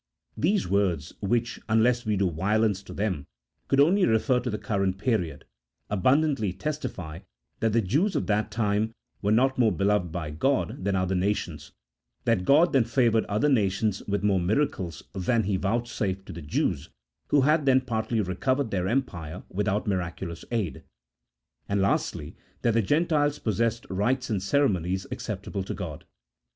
These words, which, unless we do violence to them, could only refer to the current period, abundantly testify that the Jews of that time were not more beloved by God than other nations, that God then favoured other nations with more miracles than He vouchsafed to the Jews, who had then partly recovered their empire without miraculous aid ; and, lastly, that the Gentiles possessed rites and ceremonies acceptable to God.